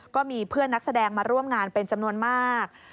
ก็มีเพื่อนนักแสดงมาร่วมงานเป็นจำนวนมาก